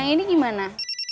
nah ini gimana